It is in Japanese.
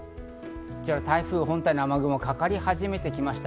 台風本体の雨雲がかかり始めてきました。